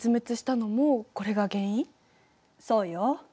そうよ。